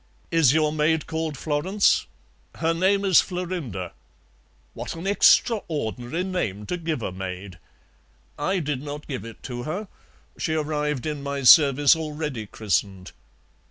"Is your maid called Florence?" "Her name is Florinda." "What an extraordinary name to give a maid!" "I did not give it to her; she arrived in my service already christened."